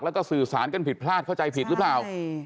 แล้วก็สื่อสารกันผิดพลาดเข้าใจผิดหรือเปล่า